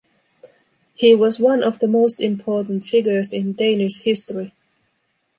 He was one of the most important figures in Danish history.